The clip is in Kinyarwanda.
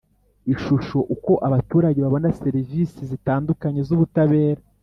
Ishusho Uko abaturage babona serivisi zitandukanye z ubutabera